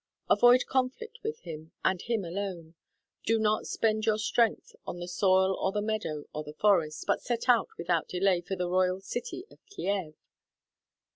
Avoid conflict with him, and him alone; do not spend your strength on the soil or the meadow or the forest, but set out without delay for the royal city of Kiev."